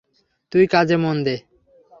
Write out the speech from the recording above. তুই কাজে মন দে।